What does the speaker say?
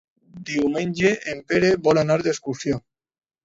Diumenge en Pere vol anar d'excursió.